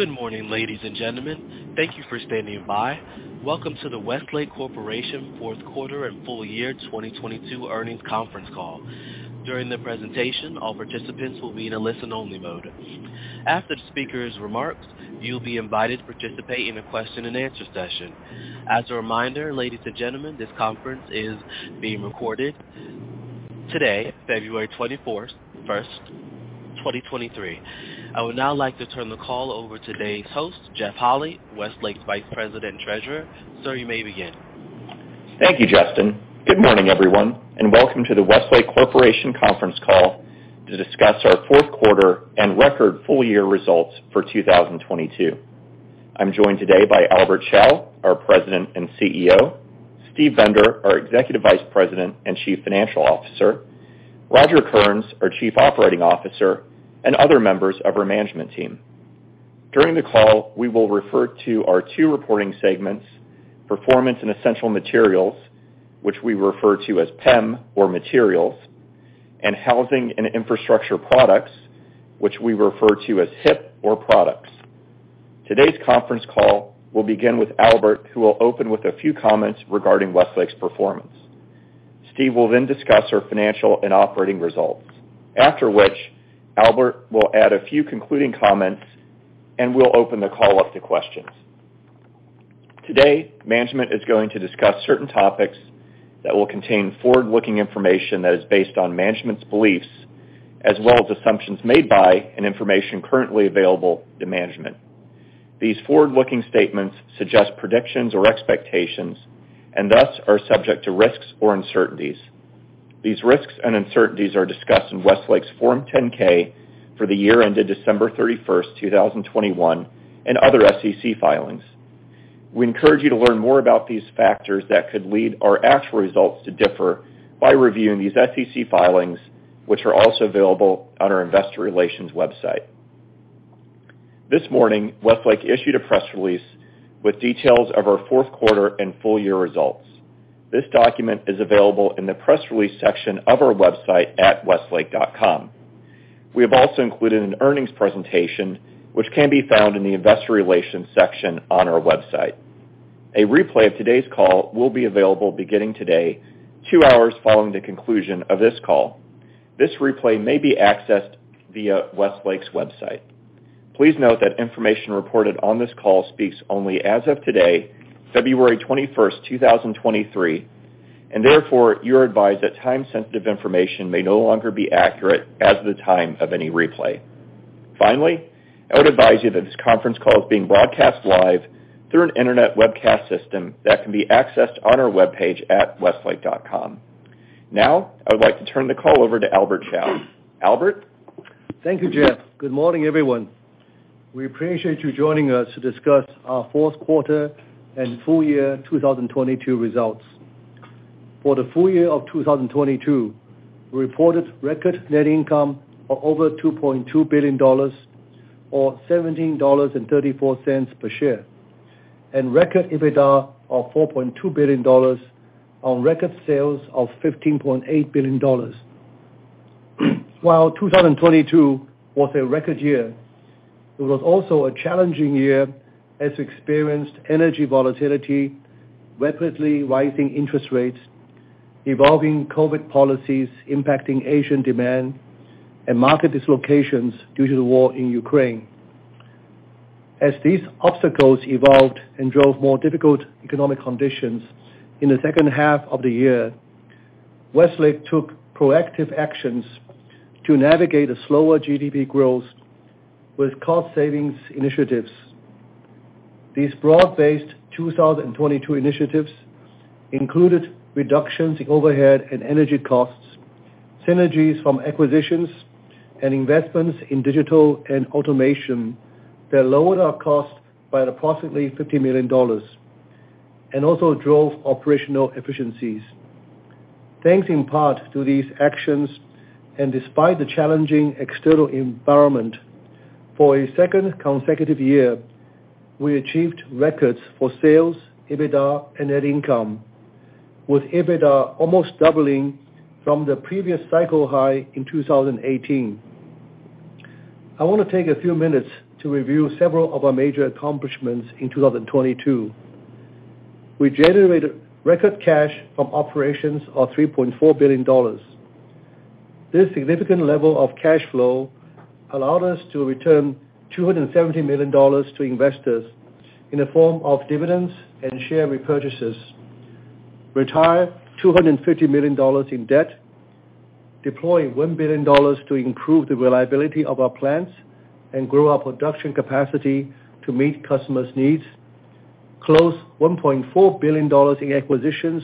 Good morning, ladies and gentlemen. Thank you for standing by. Welcome to the Westlake Corporation Fourth Quarter and Full Year 2022 Earnings Conference Call. During the presentation, all participants will be in a listen-only mode. After the speaker's remarks, you'll be invited to participate in a question-and-answer session. As a reminder, ladies and gentlemen, this conference is being recorded today, February 21st, 2023. I would now like to turn the call over to today's host, Jeff Holy, Westlake Vice President and Treasurer. Sir, you may begin. Thank you, Justin. Good morning, everyone, welcome to the Westlake Corporation Conference Call to discuss our fourth quarter and record full-year results for 2022. I'm joined today by Albert Chao, our President and CEO, Steve Bender, our Executive Vice President and Chief Financial Officer, Roger Kearns, our Chief Operating Officer, other members of our management team. During the call, we will refer to our two reporting segments, Performance and Essential Materials, which we refer to as PEM or Materials, and Housing and Infrastructure Products, which we refer to as HIP or Products. Today's conference call will begin with Albert, who will open with a few comments regarding Westlake's performance. Steve will then discuss our financial and operating results, after which Albert will add a few concluding comments, we'll open the call up to questions. Today, management is going to discuss certain topics that will contain forward-looking information that is based on management's beliefs as well as assumptions made by and information currently available to management. These forward-looking statements suggest predictions or expectations and, thus, are subject to risks or uncertainties. These risks and uncertainties are discussed in Westlake's Form 10-K for the year ended December 31st, 2021, and other SEC filings. We encourage you to learn more about these factors that could lead our actual results to differ by reviewing these SEC filings, which are also available on our Investor Relations website. This morning, Westlake issued a press release with details of our fourth quarter and full year results. This document is available in the press release section of our website at westlake.com. We have also included an earnings presentation, which can be found in the Investor Relations section on our website. A replay of today's call will be available beginning today, two hours following the conclusion of this call. This replay may be accessed via Westlake's website. Please note that information reported on this call speaks only as of today, February 21st, 2023. Therefore, you're advised that time-sensitive information may no longer be accurate as the time of any replay. Finally, I would advise you that this conference call is being broadcast live through an internet webcast system that can be accessed on our webpage at westlake.com. I would like to turn the call over to Albert Chao. Albert? Thank you, Jeff. Good morning, everyone. We appreciate you joining us to discuss our fourth quarter and full year 2022 results. For the full year of 2022, we reported record net income of over $2.2 billion or $17.34 per share, and record EBITDA of $4.2 billion on record sales of $15.8 billion. 2022 was a record year, it was also a challenging year as we experienced energy volatility, rapidly rising interest rates, evolving COVID policies impacting Asian demand, and market dislocations due to the war in Ukraine. These obstacles evolved and drove more difficult economic conditions in the second half of the year, Westlake took proactive actions to navigate a slower GDP growth with cost savings initiatives. These broad-based 2022 initiatives included reductions in overhead and energy costs, synergies from acquisitions and investments in digital and automation that lowered our cost by approximately $50 million and also drove operational efficiencies. Thanks in part to these actions and despite the challenging external environment, for a second consecutive year, we achieved records for sales, EBITDA, and net income, with EBITDA almost doubling from the previous cycle high in 2018. I wanna take a few minutes to review several of our major accomplishments in 2022. We generated record cash from operations of $3.4 billion. This significant level of cash flow allowed us to return $270 million to investors in the form of dividends and share repurchases, retire $250 million in debt, deploy $1 billion to improve the reliability of our plants and grow our production capacity to meet customers' needs, close $1.4 billion in acquisitions,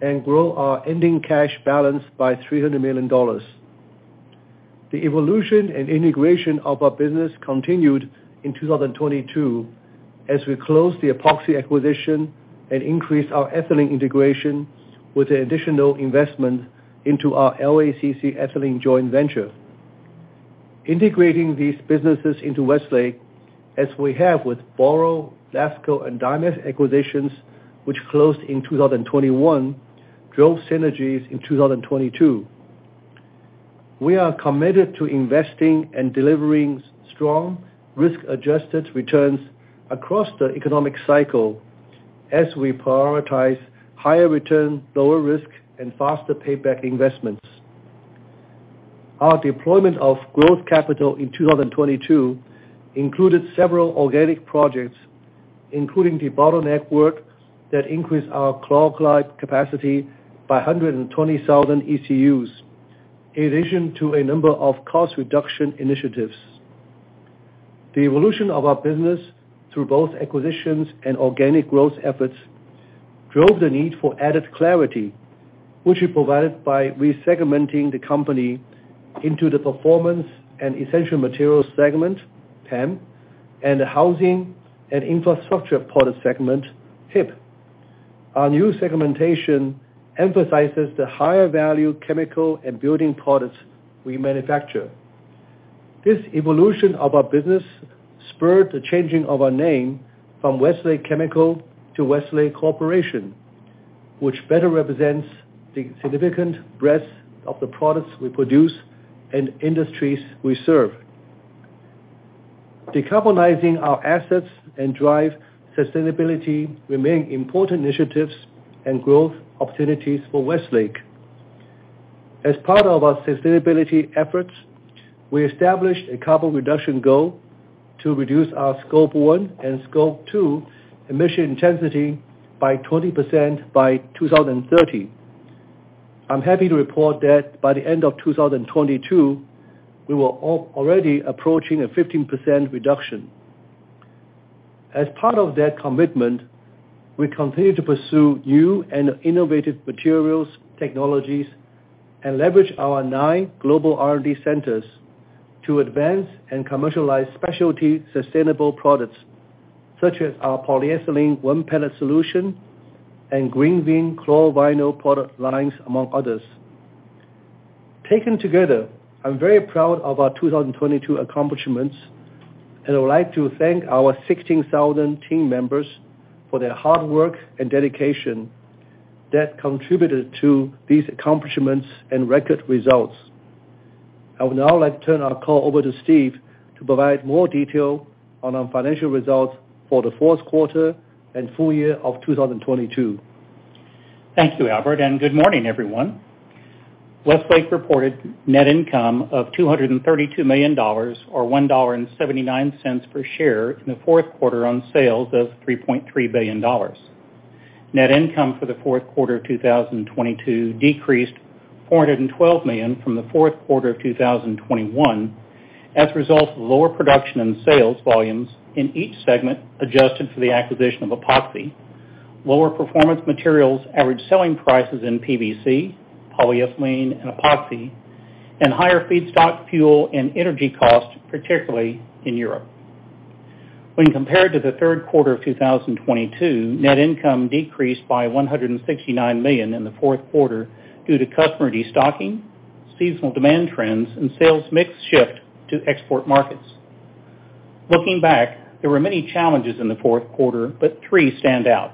and grow our ending cash balance by $300 million. The evolution and integration of our business continued in 2022 as we closed the Epoxy acquisition and increased our ethylene integration with an additional investment into our LACC Ethylene joint venture. Integrating these businesses into Westlake as we have with Boral, LASCO, and Dimex acquisitions, which closed in 2021, drove synergies in 2022. We are committed to investing and delivering strong risk-adjusted returns across the economic cycle as we prioritize higher return, lower risk, and faster payback investments. Our deployment of growth capital in 2022 included several organic projects, including the bottleneck work that increased our chlor-alkali capacity by 120,000 ECUs, in addition to a number of cost reduction initiatives. The evolution of our business through both acquisitions and organic growth efforts drove the need for added clarity, which is provided by re-segmenting the company into the Performance and Essential Materials segment, PEM, and the Housing and Infrastructure Products segment, HIP. Our new segmentation emphasizes the higher value chemical and building products we manufacture. This evolution of our business spurred the changing of our name from Westlake Chemical to Westlake Corporation, which better represents the significant breadth of the products we produce and industries we serve. Decarbonizing our assets and drive sustainability remain important initiatives and growth opportunities for Westlake. As part of our sustainability efforts, we established a carbon reduction goal to reduce our Scope 1 and Scope 2 emission intensity by 20% by 2030. I'm happy to report that by the end of 2022, we were already approaching a 15% reduction. As part of that commitment, we continue to pursue new and innovative materials, technologies, and leverage our nine global R&D centers to advance and commercialize specialty sustainable products, such as our polyethylene One-Pellet Solution and GreenVin chlor vinyl product lines, among others. Taken together, I'm very proud of our 2022 accomplishments, and I would like to thank our 16,000 team members for their hard work and dedication that contributed to these accomplishments and record results. I would now like to turn our call over to Steve to provide more detail on our financial results for the fourth quarter and full year of 2022. Thank you, Albert. Good morning, everyone. Westlake reported net income of $232 million or $1.79 per share in the fourth quarter on sales of $3.3 billion. Net income for the fourth quarter of 2022 decreased $412 million from the fourth quarter of 2021 as a result of lower production and sales volumes in each segment adjusted for the acquisition of Epoxy, lower performance materials, average selling prices in PVC, polyethylene, and Epoxy, and higher feedstock, fuel, and energy costs, particularly in Europe. When compared to the third quarter of 2022, net income decreased by $169 million in the fourth quarter due to customer destocking, seasonal demand trends, and sales mix shift to export markets. Looking back, there were many challenges in the fourth quarter, but three stand out.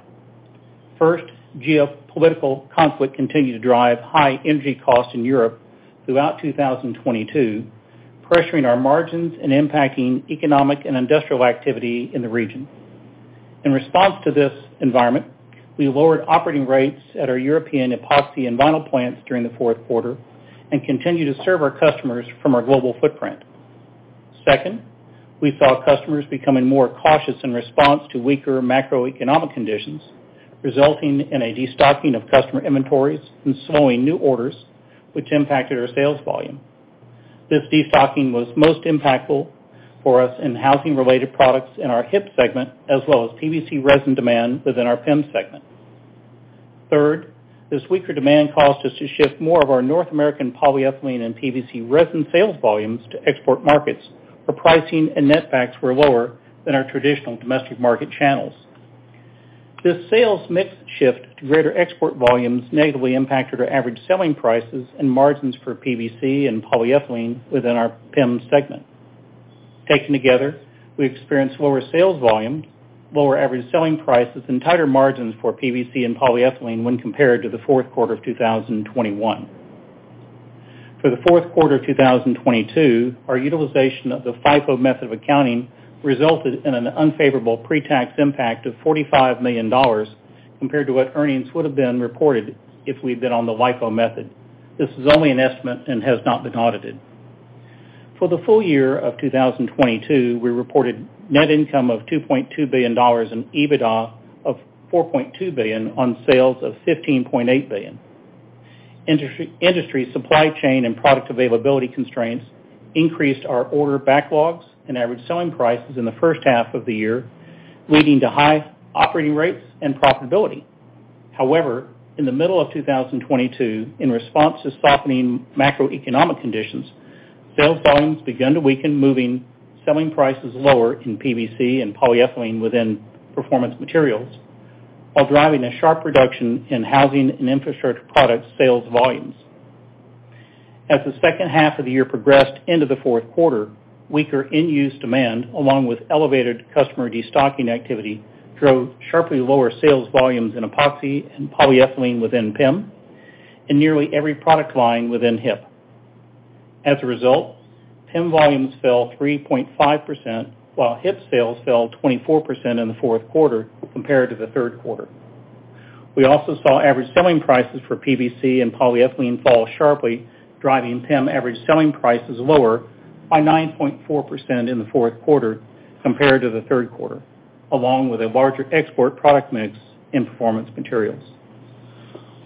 First, geopolitical conflict continued to drive high energy costs in Europe throughout 2022, pressuring our margins and impacting economic and industrial activity in the region. In response to this environment, we lowered operating rates at our European Epoxy and Vinyl plants during the fourth quarter and continue to serve our customers from our global footprint. Second, we saw customers becoming more cautious in response to weaker macroeconomic conditions, resulting in a destocking of customer inventories and slowing new orders, which impacted our sales volume. This destocking was most impactful for us in housing-related products in our HIP segment, as well as PVC resin demand within our PEM segment. Third, this weaker demand caused us to shift more of our North American polyethylene and PVC resin sales volumes to export markets, where pricing and netbacks were lower than our traditional domestic market channels. This sales mix shift to greater export volumes negatively impacted our average selling prices and margins for PVC and polyethylene within our PEM segment. Taken together, we experienced lower sales volume, lower average selling prices, and tighter margins for PVC and polyethylene when compared to the fourth quarter of 2021. For the fourth quarter of 2022, our utilization of the FIFO method of accounting resulted in an unfavorable pre-tax impact of $45 million compared to what earnings would have been reported if we'd been on the LIFO method. This is only an estimate and has not been audited. For the full year of 2022, we reported net income of $2.2 billion and EBITDA of $4.2 billion on sales of $15.8 billion. Industry supply chain and product availability constraints increased our order backlogs and average selling prices in the first half of the year, leading to high operating rates and profitability. In the middle of 2022, in response to softening macroeconomic conditions, sales volumes began to weaken, moving selling prices lower in PVC and polyethylene within Performance and Essential Materials while driving a sharp reduction in Housing and Infrastructure Products sales volumes. As the second half of the year progressed into the fourth quarter, weaker end-use demand, along with elevated customer destocking activity, drove sharply lower sales volumes in epoxy and polyethylene within PEM and nearly every product line within HIP. As a result, PEM volumes fell 3.5%, while HIP sales fell 24% in the fourth quarter compared to the third quarter. We also saw average selling prices for PVC and polyethylene fall sharply, driving PEM average selling prices lower by 9.4% in the fourth quarter compared to the third quarter, along with a larger export product mix in Performance Materials.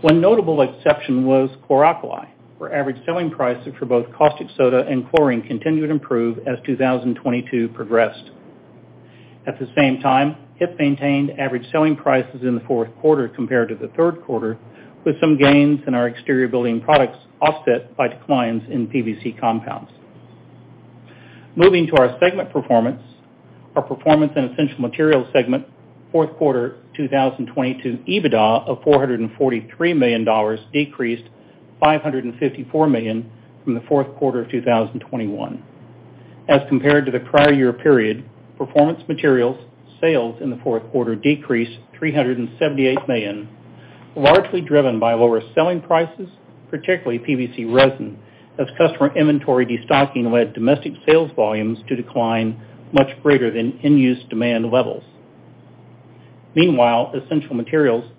One notable exception was chlor-alkali, where average selling prices for both caustic soda and chlorine continued to improve as 2022 progressed. At the same time, HIP maintained average selling prices in the fourth quarter compared to the third quarter, with some gains in our exterior building products offset by declines in PVC compounds. Moving to our segment performance, our Performance and Essential Materials segment, fourth quarter 2022 EBITDA of $443 million decreased $554 million from the fourth quarter of 2021. Compared to the prior year period, Performance Materials sales in the fourth quarter decreased $378 million, largely driven by lower selling prices, particularly PVC resin, as customer inventory destocking led domestic sales volumes to decline much greater than end-use demand levels. Essential Materials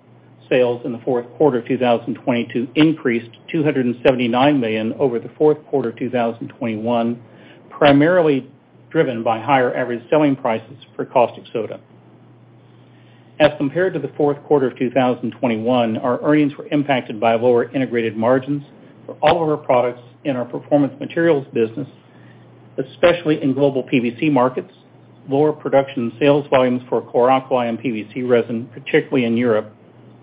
sales in the fourth quarter of 2022 increased $279 million over the fourth quarter of 2021, primarily driven by higher average selling prices for caustic soda. As compared to the fourth quarter of 2021, our earnings were impacted by lower integrated margins for all of our products in our Performance Materials business, especially in global PVC markets, lower production sales volumes for chlor-alkali and PVC resin, particularly in Europe,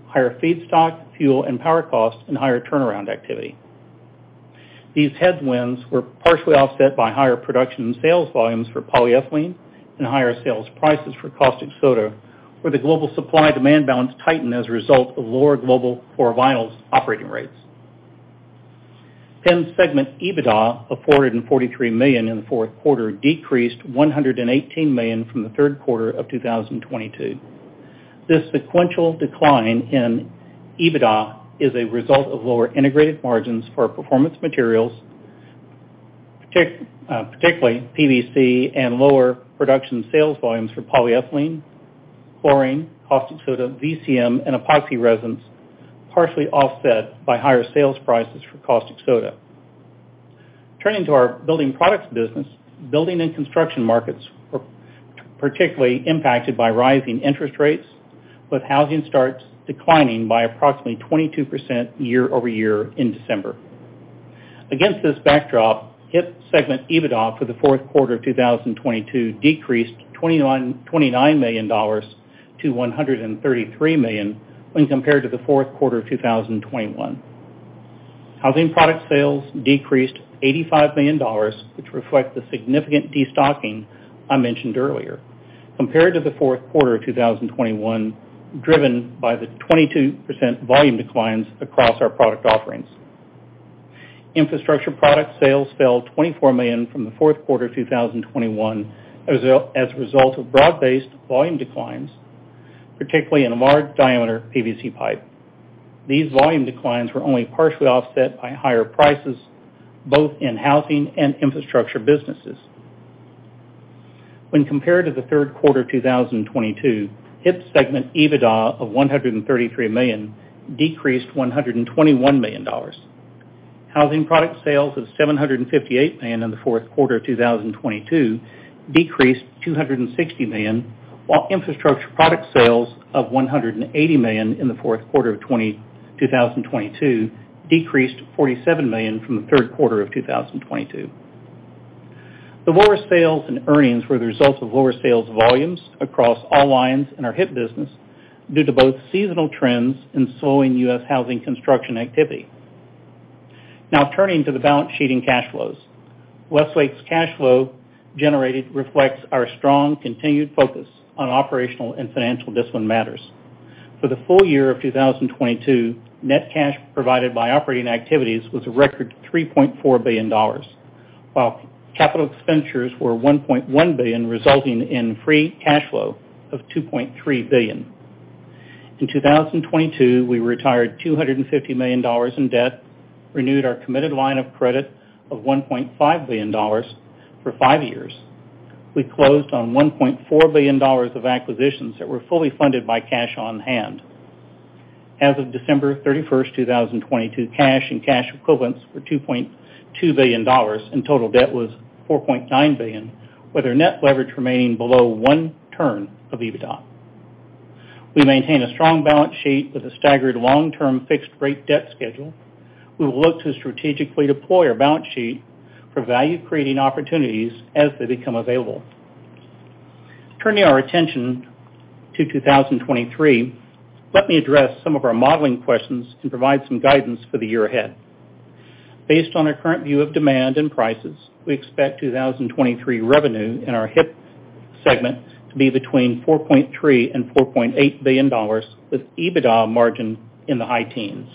higher feedstock, fuel and power costs, and higher turnaround activity. These headwinds were partially offset by higher production sales volumes for polyethylene and higher sales prices for caustic soda, where the global supply-demand balance tightened as a result of lower global Chlorovinyls operating rates. PEM segment EBITDA of $443 million in the fourth quarter decreased $118 million from the third quarter of 2022. This sequential decline in EBITDA is a result of lower integrated margins for our Performance Materials, particularly PVC and lower production sales volumes for polyethylene, chlorine, caustic soda, VCM, and epoxy resins, partially offset by higher sales prices for caustic soda. Turning to our Building Products business, building and construction markets were particularly impacted by rising interest rates, with housing starts declining by approximately 22% year-over-year in December. Against this backdrop, HIP segment EBITDA for the fourth quarter of 2022 decreased $29 million to $133 million when compared to the fourth quarter of 2021. Housing product sales decreased $85 million, which reflect the significant destocking I mentioned earlier, compared to the fourth quarter of 2021, driven by the 22% volume declines across our product offerings. Infrastructure product sales fell $24 million from the fourth quarter of 2021 as a result of broad-based volume declines, particularly in large diameter PVC pipe. These volume declines were only partially offset by higher prices both in housing and infrastructure businesses. When compared to the third quarter 2022, HIP segment EBITDA of $133 million decreased $121 million. Housing product sales of $758 million in the fourth quarter of 2022 decreased $260 million, while infrastructure product sales of $180 million in the fourth quarter of 2022 decreased $47 million from the third quarter of 2022. The lower sales and earnings were the result of lower sales volumes across all lines in our HIP business due to both seasonal trends and slowing U.S. housing construction activity. Turning to the balance sheet and cash flows. Westlake's cash flow generated reflects our strong continued focus on operational and financial discipline matters. For the full year of 2022, net cash provided by operating activities was a record $3.4 billion, while capital expenditures were $1.1 billion, resulting in free cash flow of $2.3 billion. In 2022, we retired $250 million in debt, renewed our committed line of credit of $1.5 billion for five years. We closed on $1.4 billion of acquisitions that were fully funded by cash on hand. As of December 31st, 2022, cash and cash equivalents were $2.2 billion, and total debt was $4.9 billion, with our net leverage remaining below one turn of EBITDA. We maintain a strong balance sheet with a staggered long-term fixed rate debt schedule. We will look to strategically deploy our balance sheet for value-creating opportunities as they become available. Turning our attention to 2023, let me address some of our modeling questions and provide some guidance for the year ahead. Based on our current view of demand and prices, we expect 2023 revenue in our HIP segment to be between $4.3 billion-$4.8 billion, with EBITDA margin in the high teens.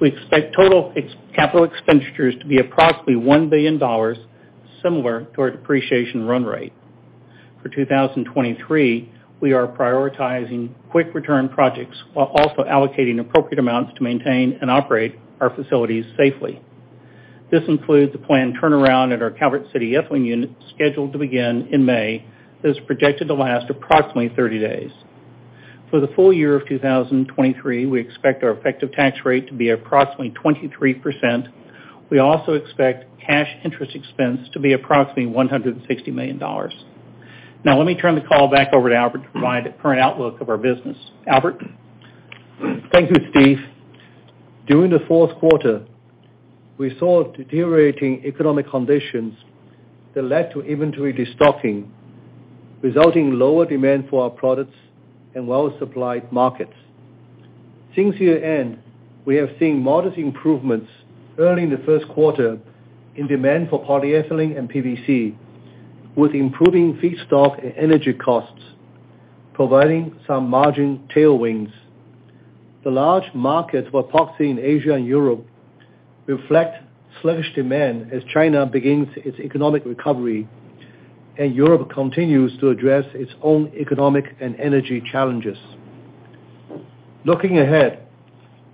We expect total capital expenditures to be approximately $1 billion, similar to our depreciation run rate. For 2023, we are prioritizing quick return projects while also allocating appropriate amounts to maintain and operate our facilities safely. This includes the planned turnaround at our Calvert City ethylene unit, scheduled to begin in May, that is projected to last approximately 30 days. For the full year of 2023, we expect our effective tax rate to be approximately 23%. We also expect cash interest expense to be approximately $160 million. Let me turn the call back over to Albert to provide a current outlook of our business. Albert? Thank you, Steve. During the fourth quarter, we saw deteriorating economic conditions that led to inventory destocking, resulting in lower demand for our products and well-supplied markets. Since year-end, we have seen modest improvements early in the first quarter in demand for polyethylene and PVC, with improving feedstock and energy costs, providing some margin tailwinds. The large markets for Epoxy in Asia and Europe reflect sluggish demand as China begins its economic recovery, and Europe continues to address its own economic and energy challenges. Looking ahead,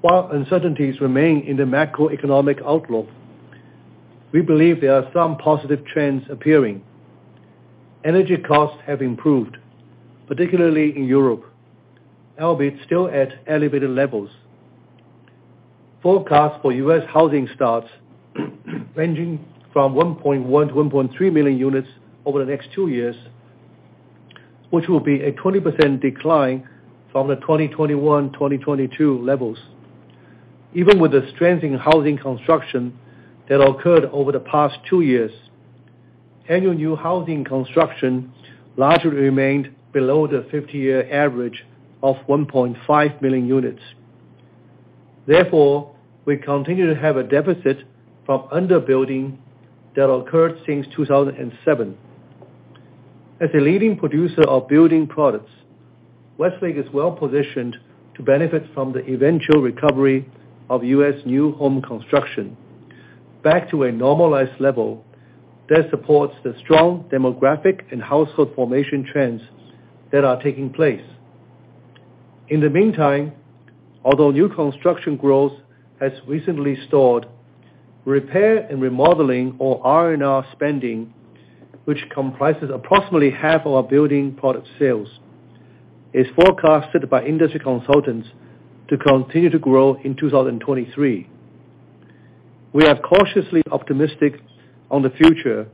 while uncertainties remain in the macroeconomic outlook, we believe there are some positive trends appearing. Energy costs have improved, particularly in Europe, albeit still at elevated levels. Forecast for U.S. housing starts ranging from 1.1 million-1.3 million units over the next two years, which will be a 20% decline from the 2021, 2022 levels. Even with the strengthening housing construction that occurred over the past two years, annual new housing construction largely remained below the 50-year average of 1.5 million units. We continue to have a deficit from under-building that occurred since 2007. As a leading producer of building products, Westlake is well positioned to benefit from the eventual recovery of U.S. new home construction back to a normalized level that supports the strong demographic and household formation trends that are taking place. In the meantime, although new construction growth has recently stalled, repair and remodeling, or R&R spending, which comprises approximately half of our building product sales, is forecasted by industry consultants to continue to grow in 2023. We are cautiously optimistic on the future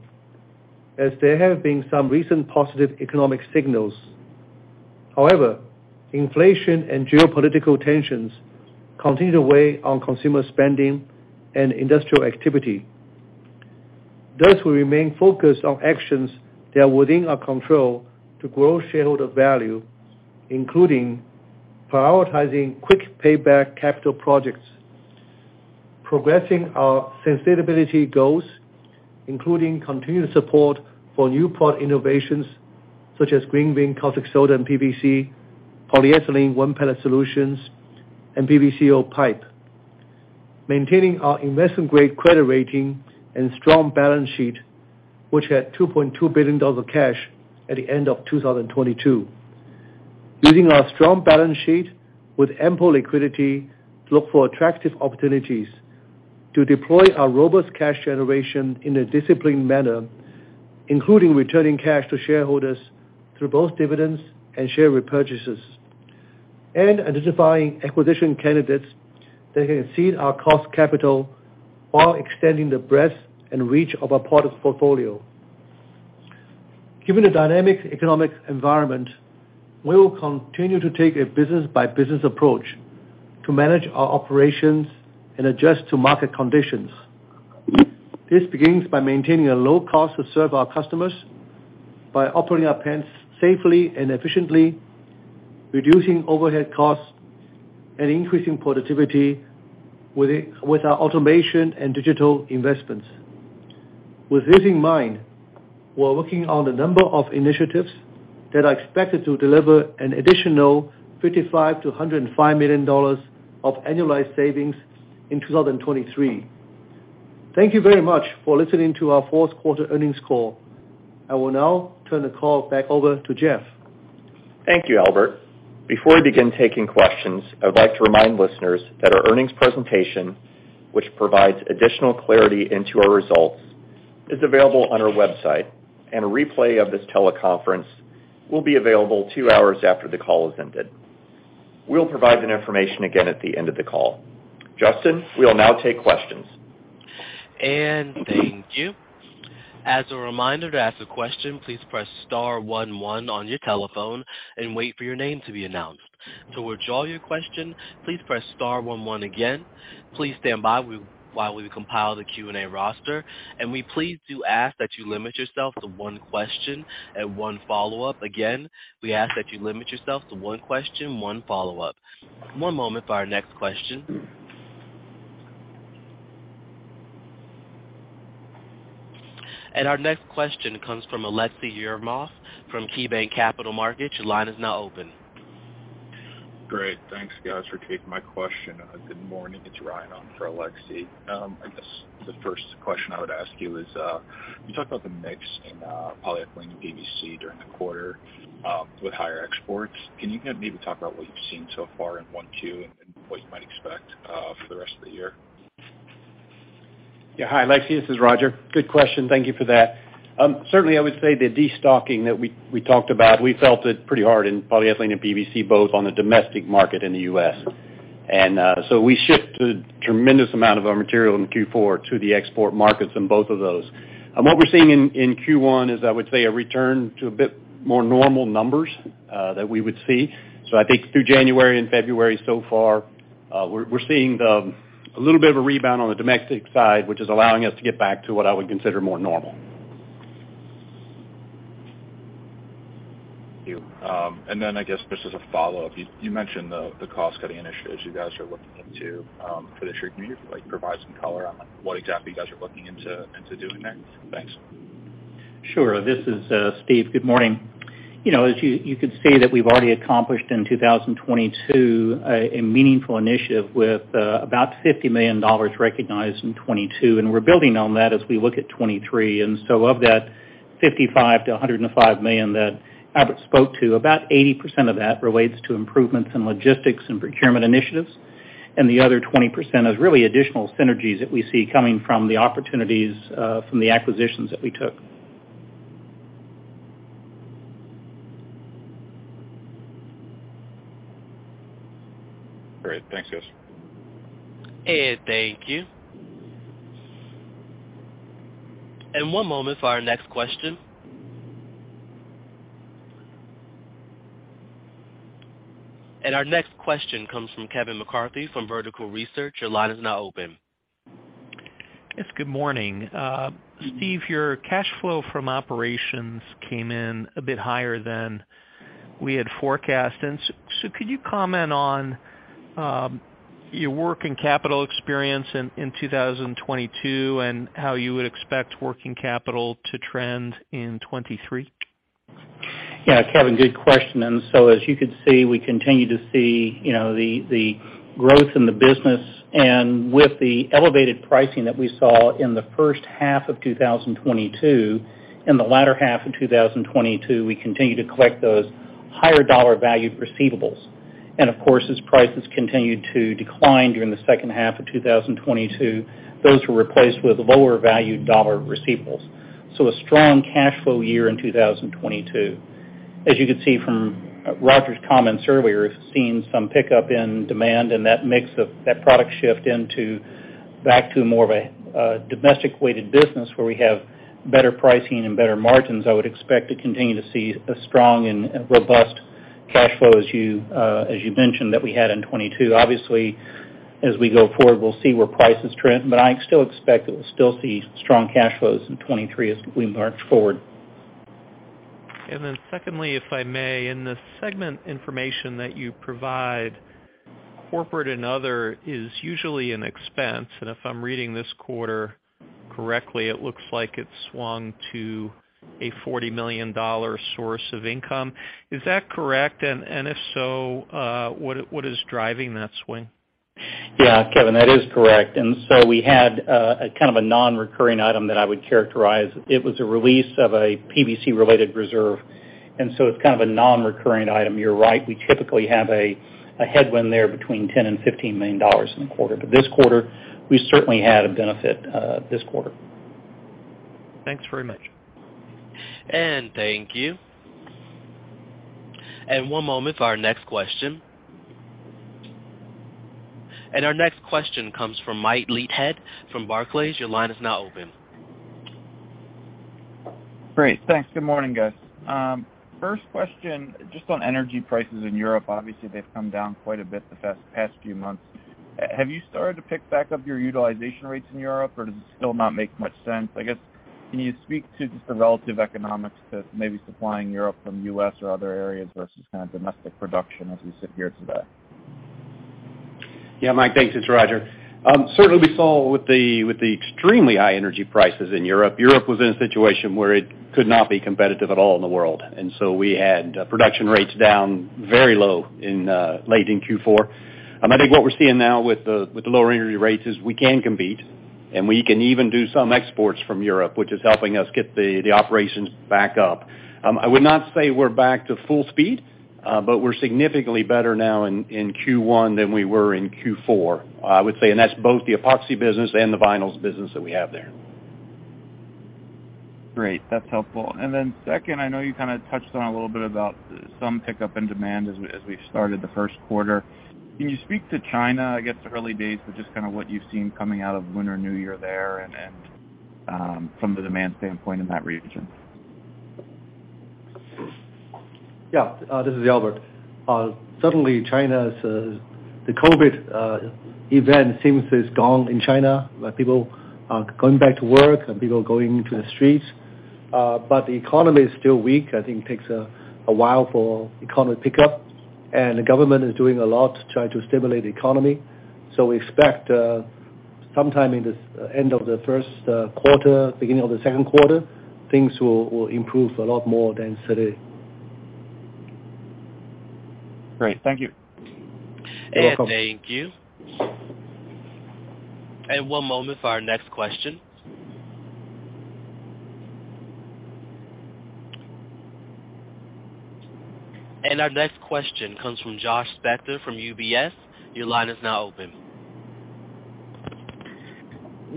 as there have been some recent positive economic signals. However, inflation and geopolitical tensions continue to weigh on consumer spending and industrial activity. Thus, we remain focused on actions that are within our control to grow shareholder value, including prioritizing quick payback capital projects, progressing our sustainability goals, including continued support for new product innovations, such as GreenVin caustic soda and PVC, polyethylene One-Pellet Solution, and PVCO pipe. Maintaining our investment-grade credit rating and strong balance sheet, which had $2.2 billion of cash at the end of 2022. Using our strong balance sheet with ample liquidity to look for attractive opportunities to deploy our robust cash generation in a disciplined manner, including returning cash to shareholders through both dividends and share repurchases. Identifying acquisition candidates that can exceed our cost capital while extending the breadth and reach of our product portfolio. Given the dynamic economic environment, we will continue to take a business by business approach to manage our operations and adjust to market conditions. This begins by maintaining a low cost to serve our customers by operating our plants safely and efficiently, reducing overhead costs, and increasing productivity with our automation and digital investments. With this in mind, we're working on a number of initiatives that are expected to deliver an additional $55 million-$105 million of annualized savings in 2023. Thank you very much for listening to our fourth quarter earnings call. I will now turn the call back over to Jeff. Thank you, Albert. Before we begin taking questions, I'd like to remind listeners that our earnings presentation, which provides additional clarity into our results, is available on our website, and a replay of this teleconference will be available two hours after the call has ended. We'll provide that information again at the end of the call. Justin, we'll now take questions. Thank you. As a reminder to ask a question, please press star one one on your telephone and wait for your name to be announced. To withdraw your question, please press star one one again. Please stand by while we compile the Q&A roster, and we please do ask that you limit yourself to one question and one follow-up. Again, we ask that you limit yourself to one question, one follow-up. One moment for our next question. Our next question comes from Aleksey Yefremov from KeyBanc Capital Markets. Your line is now open. Great. Thanks guys for taking my question. Good morning. It's Ryan on for Alexi. I guess the first question I would ask you is, you talked about the mix in polyethylene PVC during the quarter, with higher exports. Can you kind of maybe talk about what you've seen so far in 1Q and what you might expect for the rest of the year? Hi, Alexi. This is Roger. Good question. Thank you for that. Certainly I would say the destocking that we talked about, we felt it pretty hard in polyethylene and PVC, both on the domestic market in the U.S. So we shipped a tremendous amount of our material in Q4 to the export markets in both of those. What we're seeing in Q1 is, I would say, a return to a bit more normal numbers, that we would see. So I think through January and February so far, we're seeing a little bit of a rebound on the domestic side, which is allowing us to get back to what I would consider more normal. Thank you. Then I guess this is a follow-up. You mentioned the cost cutting initiatives you guys are looking into, for this year. Can you, like, provide some color on, like, what exactly you guys are looking into doing there? Thanks. Sure. This is Steve. Good morning. You know, as you could see that we've already accomplished in 2022 a meaningful initiative with about $50 million recognized in 2022, we're building on that as we look at 2023. Of that $55 million-$105 million that Albert spoke to, about 80% of that relates to improvements in logistics and procurement initiatives, and the other 20% is really additional synergies that we see coming from the opportunities from the acquisitions that we took. Great. Thanks, guys. Thank you. One moment for our next question. Our next question comes from Kevin McCarthy from Vertical Research. Your line is now open. Yes. Good morning. Steve, your cash flow from operations came in a bit higher than we had forecast. Could you comment on your working capital experience in 2022 and how you would expect working capital to trend in 2023? Yeah. Kevin, good question. As you can see, we continue to see, you know, the growth in the business. With the elevated pricing that we saw in the first half of 2022, in the latter half of 2022, we continued to collect those higher dollar-valued receivables. Of course, as prices continued to decline during the second half of 2022, those were replaced with lower dollar-valued receivables. A strong cash flow year in 2022. You could see from Roger's comments earlier, we've seen some pickup in demand. That mix of that product shift into back to more of a domestic weighted business where we have better pricing and better margins, I would expect to continue to see a strong and robust cash flow, as you mentioned, that we had in 2022. Obviously, as we go forward, we'll see where prices trend. I still expect that we'll still see strong cash flows in 2023 as we march forward. Secondly, if I may, in the segment information that you provide, Corporate and Other is usually an expense. If I'm reading this quarter correctly, it looks like it's swung to a $40 million source of income. Is that correct? If so, what is driving that swing? Yeah. Kevin, that is correct. We had a kind of a non-recurring item that I would characterize. It was a release of a PVC related reserve, it's kind of a non-recurring item. You're right. We typically have a headwind there between $10 million and $15 million in a quarter, this quarter we certainly had a benefit this quarter. Thanks very much. Thank you. One moment for our next question. Our next question comes from Michael Leithead from Barclays. Your line is now open. Great. Thanks. Good morning, guys. First question, just on energy prices in Europe, obviously they've come down quite a bit the past few months. Have you started to pick back up your utilization rates in Europe or does it still not make much sense? I guess, can you speak to just the relative economics to maybe supplying Europe from U.S. or other areas versus kind of domestic production as we sit here today? Yeah. Mike, thanks. It's Roger Kearns. Certainly we saw with the, with the extremely high energy prices in Europe was in a situation where it could not be competitive at all in the world. We had production rates down very low in late in Q4. I think what we're seeing now with the, with the lower energy rates is we can compete, and we can even do some exports from Europe, which is helping us get the operations back up. I would not say we're back to full speed, but we're significantly better now in Q1 than we were in Q4, I would say, and that's both the Epoxy business and the Vinyls business that we have there. Great. That's helpful. Then second, I know you kind of touched on a little bit about some pickup in demand as we've started the first quarter. Can you speak to China, I guess, the early days, but just kind of what you've seen coming out of Lunar New Year there and from the demand standpoint in that region? Yeah. This is Albert. Certainly China's, the COVID event seems is gone in China, like people are going back to work and people going to the streets. The economy is still weak. I think it takes a while for economy pick up, and the government is doing a lot to try to stimulate the economy. We expect sometime in this end of the first quarter, beginning of the second quarter, things will improve a lot more than today. Great. Thank you. You're welcome. Thank you. One moment for our next question. Our next question comes from Josh Spector from UBS. Your line is now open.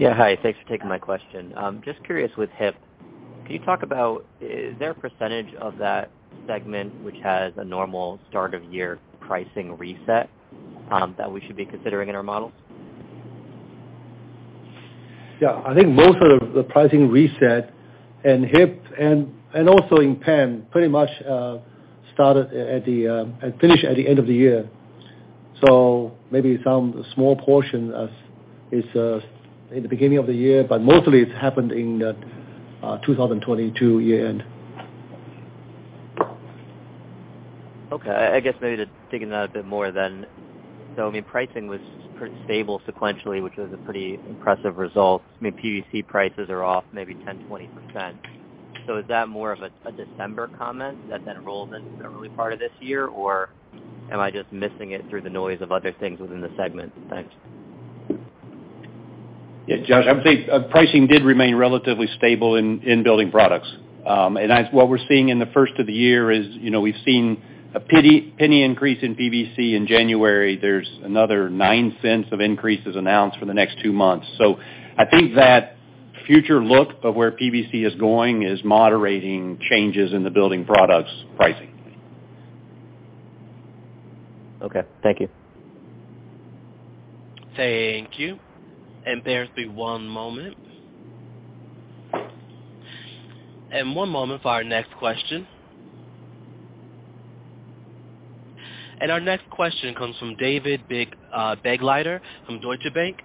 Hi. Thanks for taking my question. Just curious with HIP, can you talk about is there a percentage of that segment which has a normal start of year pricing reset, that we should be considering in our models? I think most of the pricing reset in HIP and also in PEM pretty much finished at the end of the year. Maybe some small portion of is in the beginning of the year, but mostly it's happened in the 2022 year end. I guess maybe to digging that a bit more then. I mean, pricing was pretty stable sequentially, which was a pretty impressive result. I mean, PVC prices are off maybe 10%, 20%. Is that more of a December comment that then rolls into the early part of this year? Or am I just missing it through the noise of other things within the segment? Thanks. Yeah, Josh, I would say pricing did remain relatively stable in building products. As what we're seeing in the first of the year is, you know, we've seen a $0.01 increase in PVC in January. There's another $0.09 of increases announced for the next two months. I think that future look of where PVC is going is moderating changes in the building products pricing. Okay. Thank you. Thank you. Bear with me one moment. One moment for our next question. Our next question comes from David Begleiter from Deutsche Bank.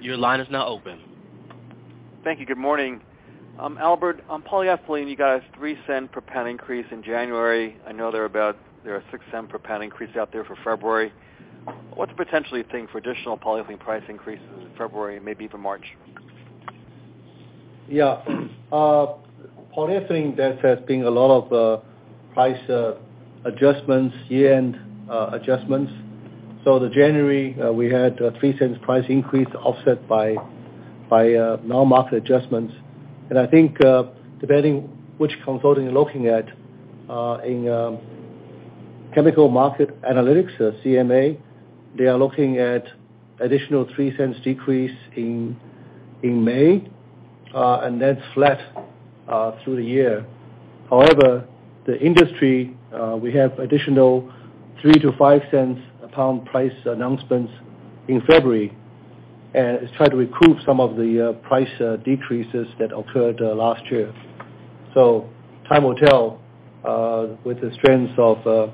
Your line is now open. Thank you. Good morning. Albert, on polyethylene, you got a $0.03 per pound increase in January. I know there are $0.06 per pound increase out there for February. What's potentially think for additional polyethylene price increases in February, maybe even March? Yeah. Polyethylene, there has been a lot of price adjustments, year-end adjustments. The January, we had a $0.03 price increase offset by now market adjustments. I think, depending which consulting you're looking at, in Chemical Market Analytics, CMA, they are looking at additional $0.03 decrease in May, and then flat through the year. However, the industry, we have additional $0.03-$0.05 a pound price announcements in February, and it's trying to recoup some of the price decreases that occurred last year. Time will tell, with the strength of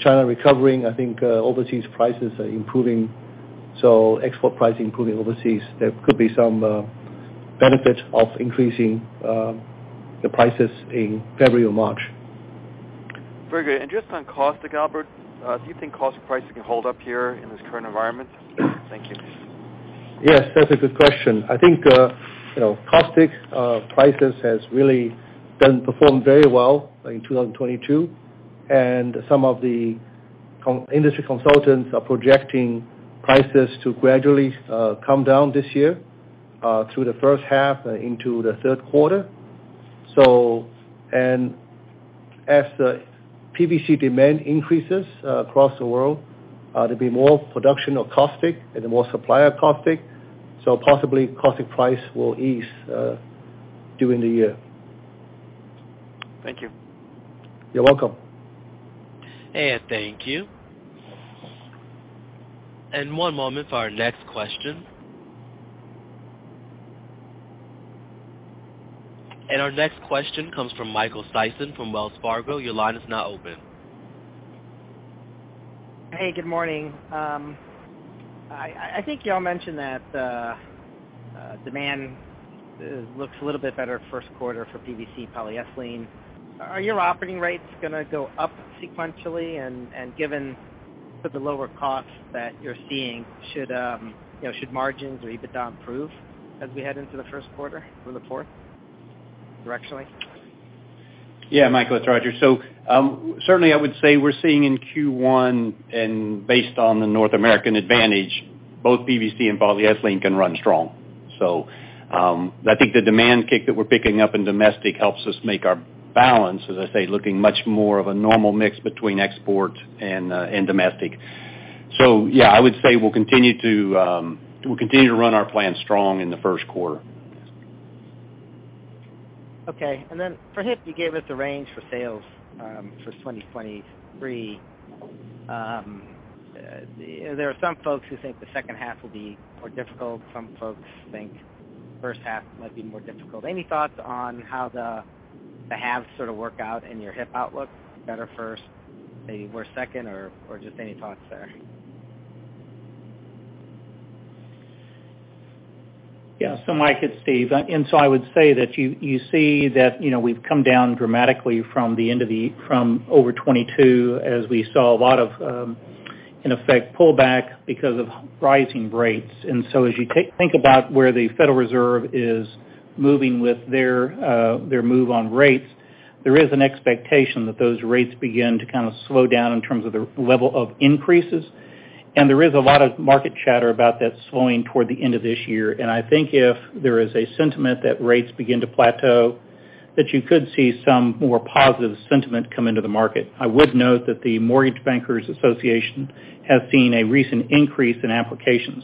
China recovering, I think, overseas prices are improving, so export pricing improving overseas. There could be some benefit of increasing the prices in February or March. Very good. Just on caustic, Albert, do you think caustic pricing can hold up here in this current environment? Thank you. Yes, that's a good question. I think, you know, caustic prices has really done performed very well in 2022, and some of the industry consultants are projecting prices to gradually come down this year, through the first half into the third quarter. As the PVC demand increases across the world, there'll be more production of caustic and the more supplier caustic, so possibly caustic price will ease during the year. Thank you. You're welcome. Thank you. One moment for our next question. Our next question comes from Michael Sison from Wells Fargo. Your line is now open. Hey, good morning. I think y'all mentioned that demand looks a little bit better first quarter for PVC polyethylene. Are your operating rates gonna go up sequentially? Given sort of the lower costs that you're seeing, should, you know, should margins or EBITDA improve as we head into the first quarter from the fourth directionally? Michael, it's Roger. Certainly I would say we're seeing in Q1, and based on the North American advantage, both PVC and polyethylene can run strong. I think the demand kick that we're picking up in domestic helps us make our balance, as I say, looking much more of a normal mix between export and domestic. I would say we'll continue to run our plan strong in the first quarter. Okay. For HIP, you gave us a range for sales, for 2023. There are some folks who think the second half will be more difficult. Some folks think first half might be more difficult. Any thoughts on how the halves sort of work out in your HIP outlook, better first, maybe more second or just any thoughts there? Yeah. Mike, it's Steve. I would say that you see that, you know, we've come down dramatically from the end of from over 2022 as we saw a lot of, in effect, pullback because of rising rates. As you think about where the Federal Reserve is moving with their move on rates, there is an expectation that those rates begin to kind of slow down in terms of the level of increases. There is a lot of market chatter about that slowing toward the end of this year. I think if there is a sentiment that rates begin to plateau, that you could see some more positive sentiment come into the market. I would note that the Mortgage Bankers Association has seen a recent increase in applications,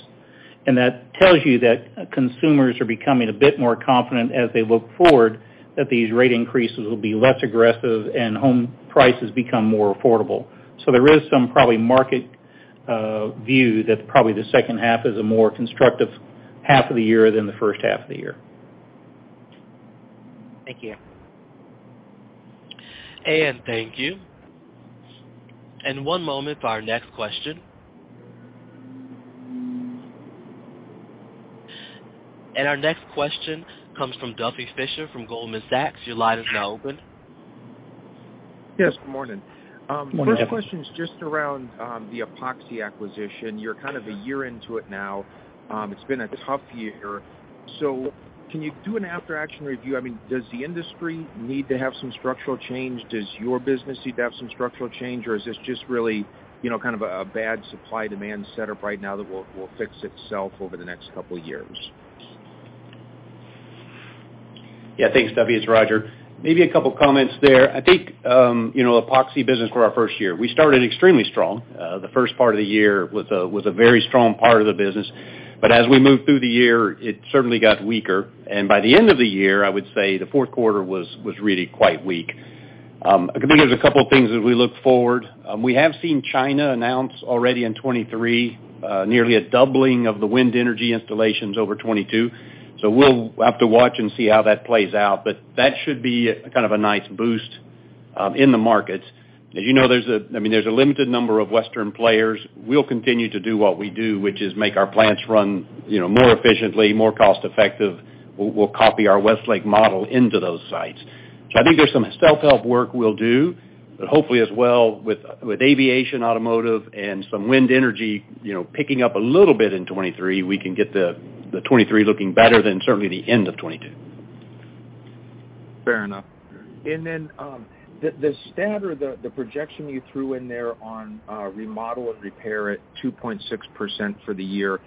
and that tells you that consumers are becoming a bit more confident as they look forward that these rate increases will be less aggressive and home prices become more affordable. There is some probably market view that probably the second half is a more constructive half of the year than the first half of the year. Thank you. Thank you. One moment for our next question. Our next question comes from Duffy Fischer from Goldman Sachs. Your line is now open. Yes. Good morning. Good morning, Duffy. First question is just around the Epoxy acquisition. You're kind of a year into it now. It's been a tough year. Can you do an after-action review? I mean, does the industry need to have some structural change? Does your business need to have some structural change, or is this just really, you know, kind of a bad supply-demand setup right now that will fix itself over the next couple years? Yeah. Thanks, Duffy. It's Roger. Maybe a couple comments there. I think, you know, Epoxy business for our first year, we started extremely strong. The first part of the year was a very strong part of the business. As we moved through the year, it certainly got weaker. By the end of the year, I would say the fourth quarter was really quite weak. I think there's a couple of things as we look forward. We have seen China announce already in 23, nearly a doubling of the wind energy installations over 22. We'll have to watch and see how that plays out, but that should be kind of a nice boost in the markets. As you know, I mean, there's a limited number of Western players. We'll continue to do what we do, which is make our plants run, you know, more efficiently, more cost effective. We'll copy our Westlake model into those sites. I think there's some self-help work we'll do, but hopefully as well with aviation, automotive, and some wind energy, you know, picking up a little bit in 2023, we can get the 2023 looking better than certainly the end of 2022. Fair enough. The stat or the projection you threw in there on remodel and repair at 2.6% for the year,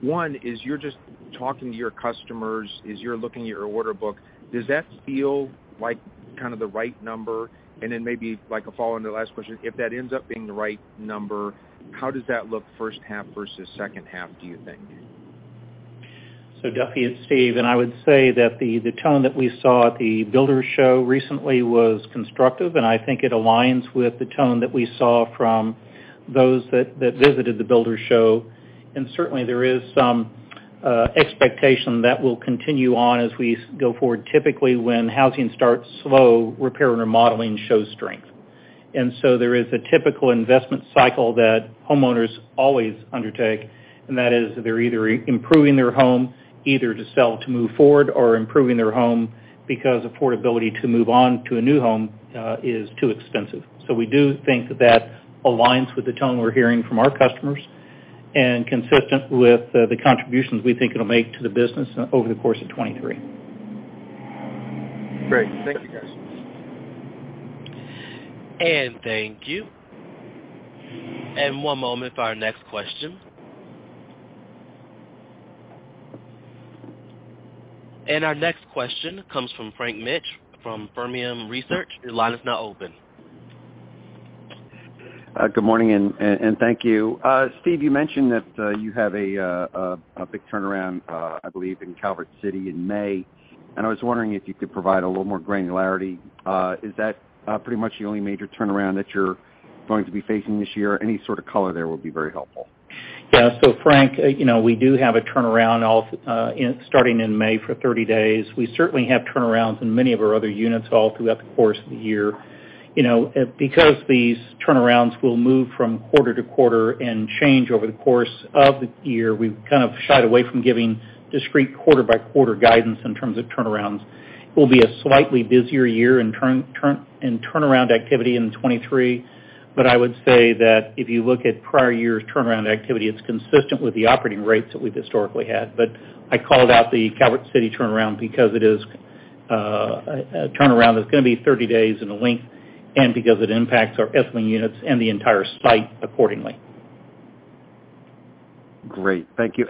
one, is you're just talking to your customers as you're looking at your order book, does that feel like kind of the right number? Maybe like a follow-on to the last question, if that ends up being the right number, how does that look first half versus second half, do you think? Duffy, it's Steve, and I would say that the tone that we saw at the Builders' Show recently was constructive, and I think it aligns with the tone that we saw from those that visited the Builders' Show. Certainly, there is some expectation that will continue on as we go forward. Typically, when housing starts slow, repair and remodeling shows strength. There is a typical investment cycle that homeowners always undertake, and that is they're either improving their home either to sell to move forward or improving their home because affordability to move on to a new home is too expensive. We do think that that aligns with the tone we're hearing from our customers and consistent with the contributions we think it'll make to the business over the course of 2023. Great. Thank you, guys. Thank you. One moment for our next question. Our next question comes from Frank Mitsch from Fermium Research. Your line is now open. Good morning and thank you. Steve, you mentioned that you have a big turnaround, I believe in Calvert City in May, and I was wondering if you could provide a little more granularity. Is that pretty much the only major turnaround that you're going to be facing this year? Any sort of color there will be very helpful. Frank, you know, we do have a turnaround all starting in May for 30 days. We certainly have turnarounds in many of our other units all throughout the course of the year. You know, because these turnarounds will move from quarter-to-quarter and change over the course of the year, we've kind of shied away from giving discrete quarter-by-quarter guidance in terms of turnarounds. It will be a slightly busier year in turnaround activity in 2023, I would say that if you look at prior years' turnaround activity, it's consistent with the operating rates that we've historically had. I called out the Calvert City turnaround because it is a turnaround that's gonna be 30 days in the length and because it impacts our ethylene units and the entire site accordingly. Great. Thank you.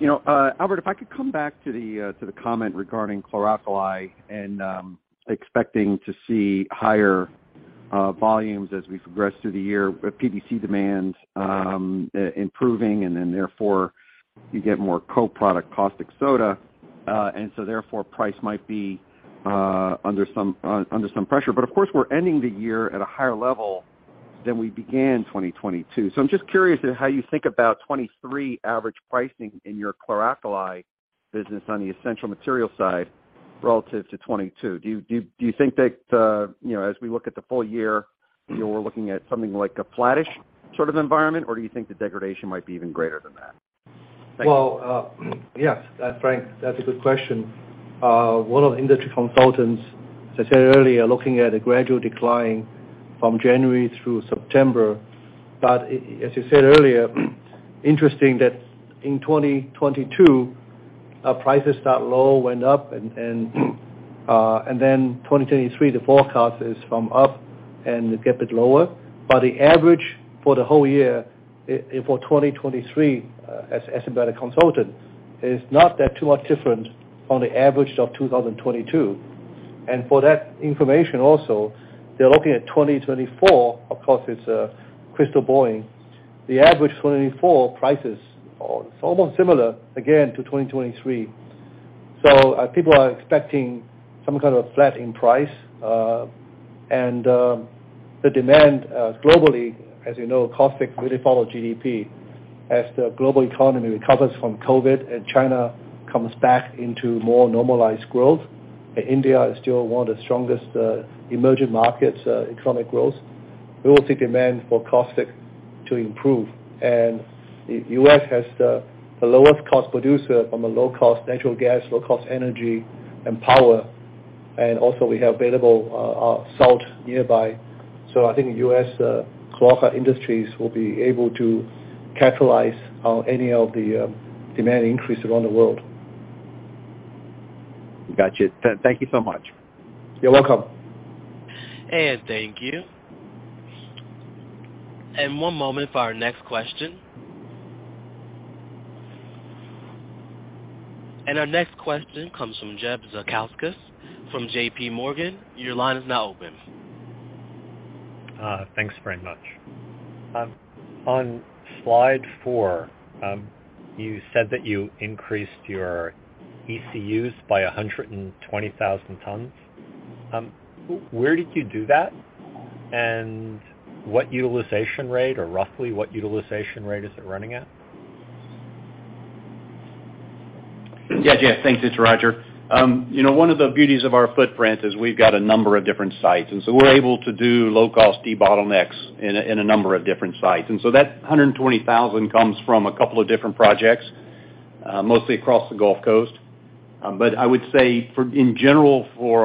You know, Albert, if I could come back to the comment regarding chlor-alkali and expecting to see higher volumes as we progress through the year, PVC demand improving, and then therefore you get more co-product caustic soda, and so therefore price might be under some pressure. Of course, we're ending the year at a higher level than we began 2022. I'm just curious at how you think about 2023 average pricing in your chlor-alkali business on the essential material side? Relative to 22. Do you think that, you know, as we look at the full year, you know, we're looking at something like a flattish sort of environment, or do you think the degradation might be even greater than that? Thank you. Yes. Frank, that's a good question. One of the industry consultants, as I said earlier, are looking at a gradual decline from January through September. As you said earlier, interesting that in 2022, our prices start low, went up, and then 2023, the forecast is from up and it get a bit lower. The average for the whole year for 2023, as embedded consultant, is not that too much different on the average of 2022. For that information also, they're looking at 2024. Of course, it's crystal balling. The average 2024 prices are almost similar again to 2023. People are expecting some kind of flat in price. The demand, globally, as you know, caustic really follow GDP. As the global economy recovers from COVID and China comes back into more normalized growth, and India is still one of the strongest emerging markets economic growth, we will see demand for caustic to improve. U.S. has the lowest cost producer from a low cost natural gas, low cost energy and power, and also we have available salt nearby. I think U.S. chlor-alkali industries will be able to capitalize on any of the demand increase around the world. Got you. Thank you so much. You're welcome. Thank you. One moment for our next question. Our next question comes from Jeff Zekauskas from JPMorgan. Your line is now open. Thanks very much. On slide four, you said that you increased your ECUs by 120,000 tons. Where did you do that? What utilization rate, or roughly what utilization rate is it running at? Yeah, Jeff. Thanks. It's Roger. you know, one of the beauties of our footprint is we've got a number of different sites, and so we're able to do low cost debottlenecks in a number of different sites. That 120,000 comes from a couple of different projects, mostly across the Gulf Coast. I would say for, in general, for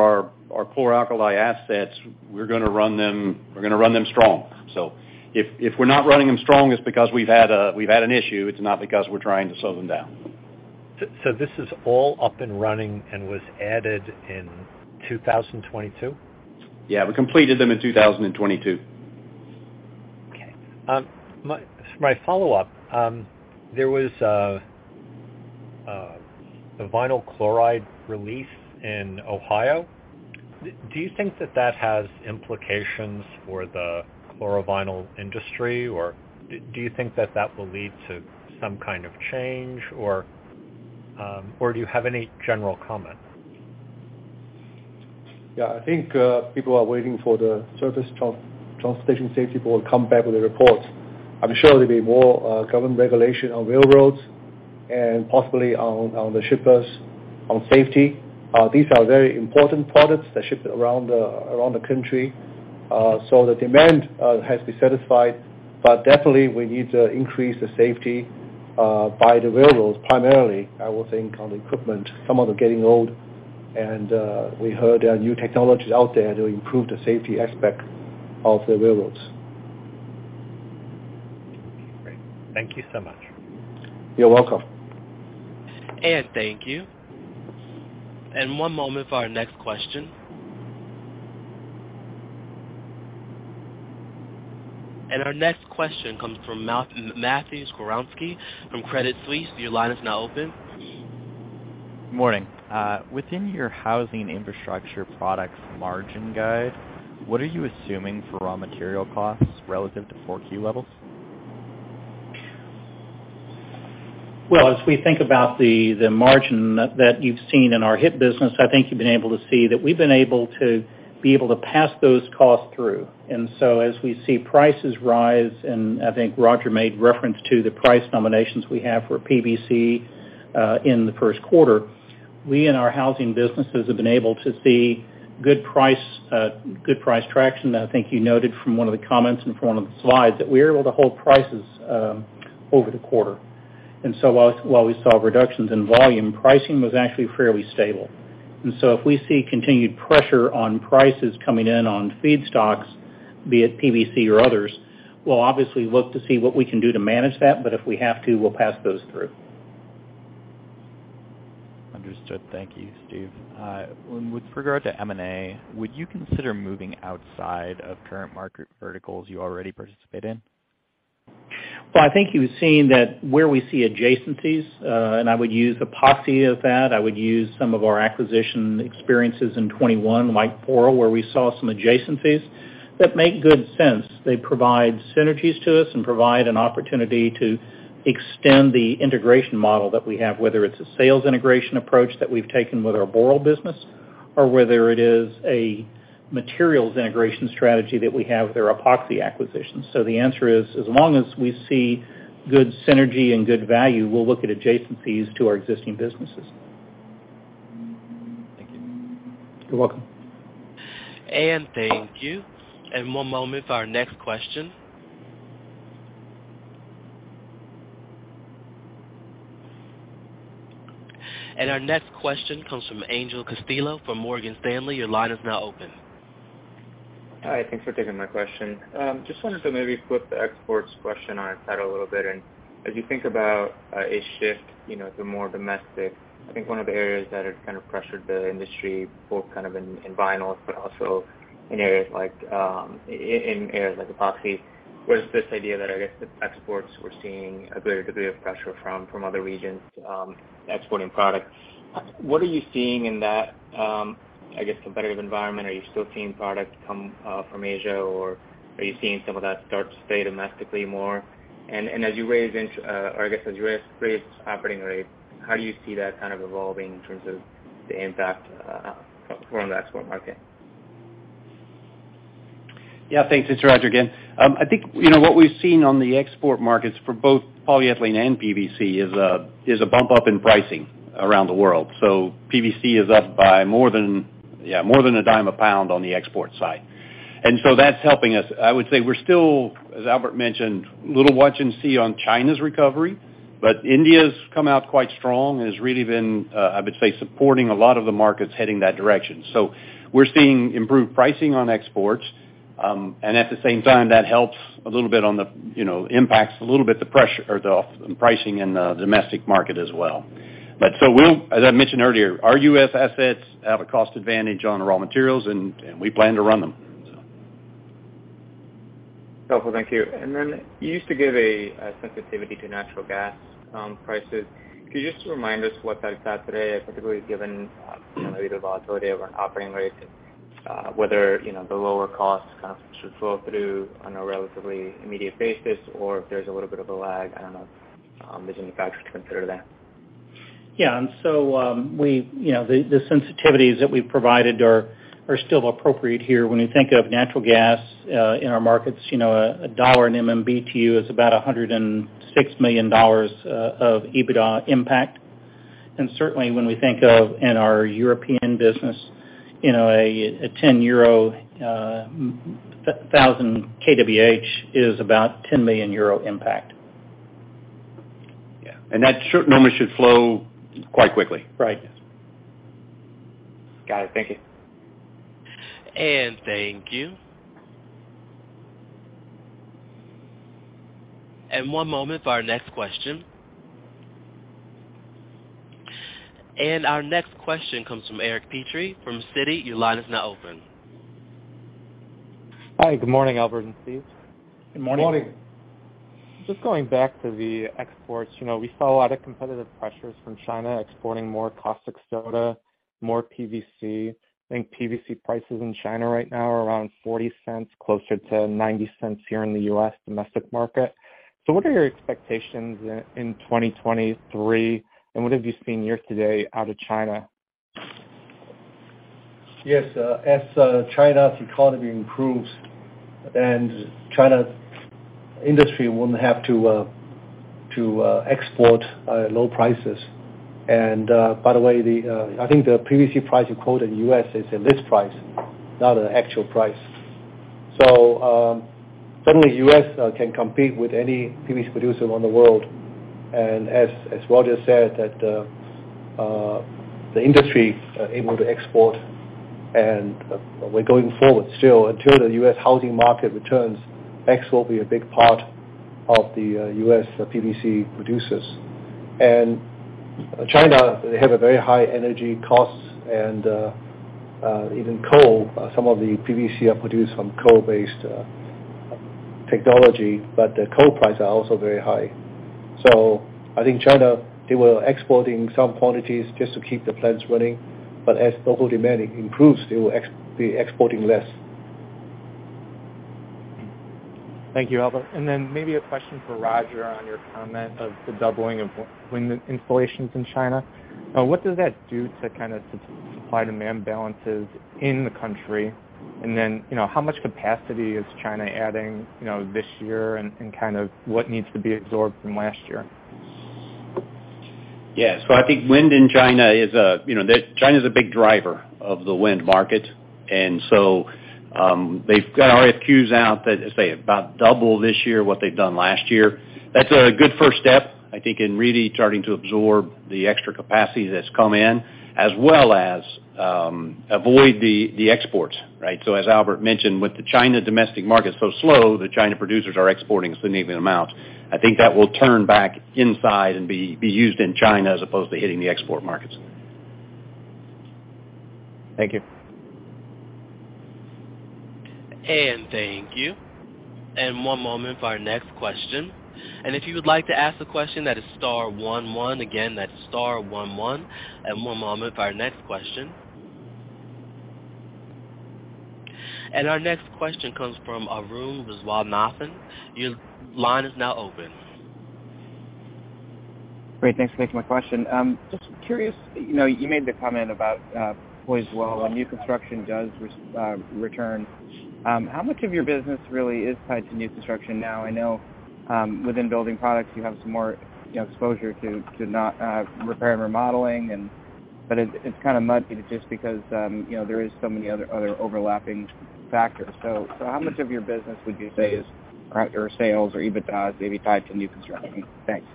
our chlor-alkali assets, we're gonna run them strong. If we're not running them strong, it's because we've had an issue, it's not because we're trying to slow them down. This is all up and running and was added in 2022? Yeah. We completed them in 2022. Okay. my, so my follow-up, there was the vinyl chloride release in Ohio. Do you think that that has implications for the Chlorovinyl industry, or do you think that that will lead to some kind of change, or do you have any general comment? Yeah. I think people are waiting for the Surface Transportation Board to come back with a report. I'm sure there'll be more government regulation on railroads and possibly on the shippers on safety. These are very important products that ship around the country. The demand has to be satisfied, but definitely we need to increase the safety by the railroads, primarily, I would think, on the equipment. Some of them are getting old, and we heard there are new technologies out there to improve the safety aspect of the railroads. Great. Thank you so much. You're welcome. Thank you. One moment for our next question. Our next question comes from Matthew Skowronski from Credit Suisse. Your line is now open. Morning. Within your Housing and Infrastructure Products margin guide, what are you assuming for raw material costs relative to 4Q levels? Well, as we think about the margin that you've seen in our HIP business, I think you've been able to pass those costs through. As we see prices rise, and I think Roger made reference to the price nominations we have for PVC in the first quarter, we in our housing businesses have been able to see good price traction. I think you noted from one of the comments in front of the slides that we're able to hold prices over the quarter. As while we saw reductions in volume, pricing was actually fairly stable. If we see continued pressure on prices coming in on feedstocks, be it PVC or others, we'll obviously look to see what we can do to manage that, but if we have to, we'll pass those through. Understood. Thank you, Steve. With regard to M&A, would you consider moving outside of current market verticals you already participate in? Well, I think you've seen that where we see adjacencies, and I would use Epoxy of that, I would use some of our acquisition experiences in 21, like Boral, where we saw some adjacencies that make good sense. They provide synergies to us and provide an opportunity to extend the integration model that we have, whether it's a sales integration approach that we've taken with our Boral business, or whether it is a materials integration strategy that we have with our Epoxy acquisitions. The answer is, as long as we see good synergy and good value, we'll look at adjacencies to our existing businesses. Thank you. You're welcome. Thank you. One moment for our next question. Our next question comes from Angel Castillo from Morgan Stanley. Your line is now open. Hi, thanks for taking my question. Just wanted to maybe flip the exports question on its head a little bit. As you think about a shift, you know, to more domestic, I think one of the areas that has kind of pressured the industry both kind of in vinyl, but also in areas like in areas like Epoxy, was this idea that I guess the exports we're seeing a greater degree of pressure from other regions, exporting products. What are you seeing in that, I guess, competitive environment? Are you still seeing products come from Asia, or are you seeing some of that start to stay domestically more? As you raise or I guess, as you raise operating rates, how do you see that kind of evolving in terms of the impact from an export market? Thanks. It's Roger again. I think, you know, what we've seen on the export markets for both polyethylene and PVC is a bump up in pricing around the world. PVC is up by more than $0.10 a pound on the export side. That's helping us. I would say we're still, as Albert mentioned, a little watch and see on China's recovery. India's come out quite strong and has really been, I would say, supporting a lot of the markets heading that direction. We're seeing improved pricing on exports. At the same time, that helps a little bit on the, you know, impacts a little bit the pressure or the pricing in the domestic market as well. We'll as I mentioned earlier, our U.S. assets have a cost advantage on raw materials and we plan to run them. Helpful. Thank you. Then you used to give a sensitivity to natural gas prices. Could you just remind us what that's at today, particularly given, you know, the volatility of our operating rates, whether, you know, the lower costs kind of should flow through on a relatively immediate basis or if there's a little bit of a lag? I don't know, as manufacturers consider that. Yeah. You know, the sensitivities that we've provided are still appropriate here. When you think of natural gas, in our markets, you know, $1 in MMBtu is about $106 million of EBITDA impact. Certainly when we think of in our European business, you know, 10 euro per 1,000 kWh is about 10 million euro impact. Yeah. That should normally should flow quite quickly. Right. Got it. Thank you. Thank you. One moment for our next question. Our next question comes from Eric Petrie from Citi. Your line is now open. Hi. Good morning, Albert and Steve. Good morning. Good morning. Just going back to the exports. You know, we saw a lot of competitive pressures from China exporting more caustic soda, more PVC. I think PVC prices in China right now are around $0.40, closer to $0.90 here in the U.S. domestic market. What are your expectations in 2023, and what have you seen year-to-date out of China? Yes. As China's economy improves and China's industry wouldn't have to export low prices. By the way, I think the PVC price you quote in U.S. is a list price, not an actual price. Certainly U.S. can compete with any PVC producer around the world. As Roger said, that the industry are able to export and we're going forward still. Until the U.S. housing market returns, exports will be a big part of the U.S. PVC producers. China, they have a very high energy costs and even coal, some of the PVC are produced from coal-based technology, but the coal prices are also very high. I think China, they were exporting some quantities just to keep the plants running. As local demand improves, they will be exporting less. Thank you, Albert. Maybe a question for Roger on your comment of the doubling of wind installations in China. What does that do to kind of supply demand balances in the country? You know, how much capacity is China adding, you know, this year and kind of what needs to be absorbed from last year? Yeah. I think wind in China is a, you know, China is a big driver of the wind market. They've got RFQs out that say about double this year what they've done last year. That's a good first step, I think, in really starting to absorb the extra capacity that's come in, as well as, avoid the exports, right? As Albert mentioned, with the China domestic market so slow, the China producers are exporting a significant amount. I think that will turn back inside and be used in China as opposed to hitting the export markets. Thank you. Thank you. One moment for our next question. If you would like to ask a question, that is star one one. Again, that's star one one. One moment for our next question. Our next question comes from Arun Viswanathan. Your line is now open. Great. Thanks for taking my question. Just curious, you know, you made the comment about, poised well, new construction does return. How much of your business really is tied to new construction now? I know, within building products you have some more, you know, exposure to not, repair and remodeling but it's kind of muddy just because, you know, there is so many other overlapping factors. How much of your business would you say is, or your sales or EBITDA may be tied to new construction? Thanks.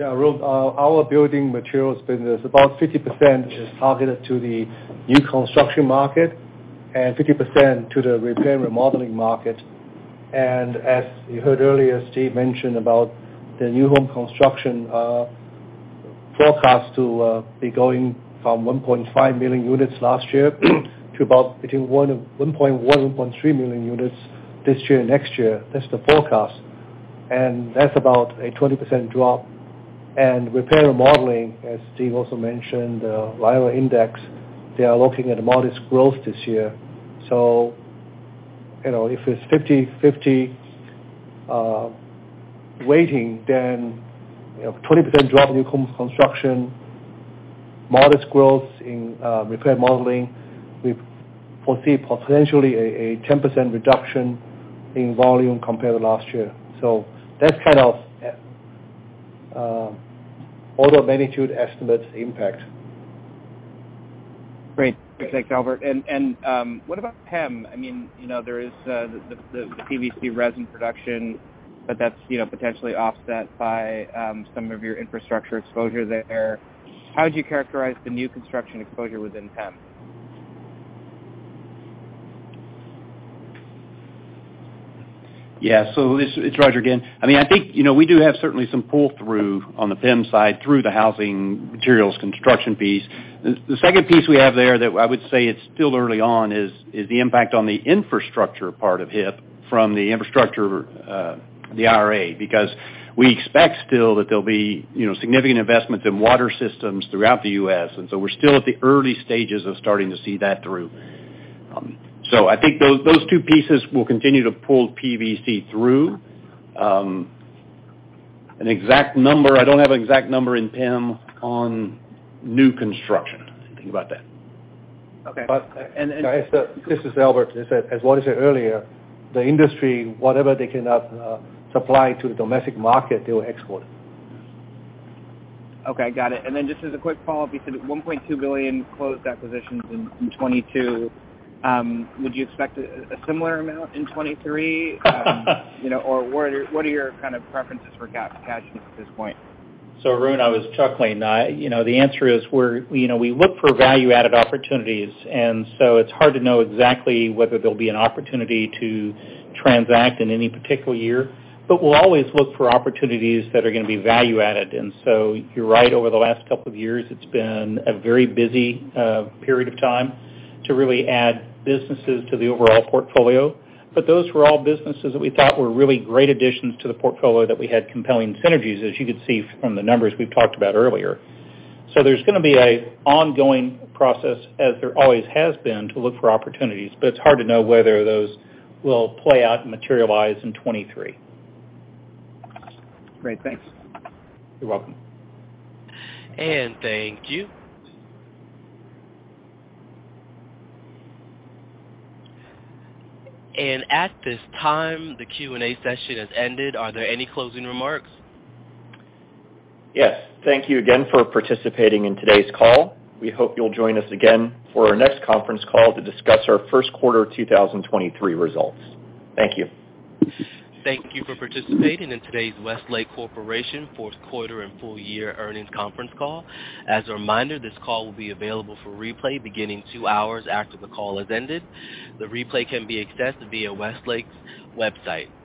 Arun, our building materials business, about 50% is targeted to the new construction market and 50% to the repair and remodeling market. As you heard earlier, Steve mentioned about the new home construction forecast to be going from 1.5 million units last year to about between 1.1 million-1.3 million units this year, next year. That's the forecast. Repair and remodeling, as Steve also mentioned, the LIRA Index, they are looking at modest growth this year. You know, if it's 50-50 weighting, you know, 20% drop new home construction, modest growth in repair and remodeling, we foresee potentially a 10% reduction in volume compared to last year. That's kind of order of magnitude estimates impact. Great. Thanks, Albert. What about PEM? I mean, you know, there is the PVC resin production, but that's, you know, potentially offset by some of your infrastructure exposure there. How would you characterize the new construction exposure within PEM? Yeah. This is Roger again. I mean, I think, you know, we do have certainly some pull through on the PEM side through the housing materials construction piece. The second piece we have there that I would say it's still early on is the impact on the infrastructure part of HIP from the infrastructure, the IRA. We expect still that there'll be, you know, significant investments in water systems throughout the U.S., we're still at the early stages of starting to see that through. I think those two pieces will continue to pull PVC through. An exact number, I don't have an exact number in PEM on new construction as you think about that. Okay. But- And, and- This is Albert. As what I said earlier, the industry, whatever they cannot supply to the domestic market, they will export. Okay, got it. Just as a quick follow-up, you said at $1.2 billion closed acquisitions in 2022. Would you expect a similar amount in 2023? You know, or what are your kind of preferences for cash at this point? Arun, I was chuckling. you know, the answer is we're, you know, we look for value-added opportunities, and so it's hard to know exactly whether there'll be an opportunity to transact in any particular year. We'll always look for opportunities that are gonna be value added. You're right, over the last couple of years, it's been a very busy period of time to really add businesses to the overall portfolio. Those were all businesses that we thought were really great additions to the portfolio that we had compelling synergies, as you could see from the numbers we've talked about earlier. There's gonna be a ongoing process, as there always has been, to look for opportunities, but it's hard to know whether those will play out and materialize in 23. Great. Thanks. You're welcome. Thank you. At this time, the Q&A session has ended. Are there any closing remarks? Yes. Thank you again for participating in today's call. We hope you'll join us again for our next conference call to discuss our first quarter 2023 results. Thank you. Thank you for participating in today's Westlake Corporation Fourth Quarter and Full Year Earnings Conference Call. As a reminder, this call will be available for replay beginning two hours after the call has ended. The replay can be accessed via Westlake's website. Goodbye.